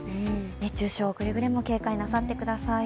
熱中症、くれぐれも警戒なさってください。